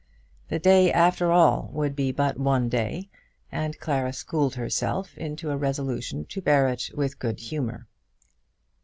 The day, after all, would be but one day, and Clara schooled herself into a resolution to bear it with good humour.